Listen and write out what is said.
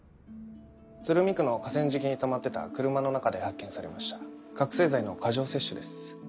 鶴見区の河川敷に止まってた車の中で発見されました覚醒剤の過剰摂取です